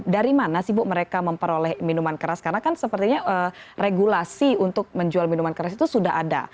dari mana sih bu mereka memperoleh minuman keras karena kan sepertinya regulasi untuk menjual minuman keras itu sudah ada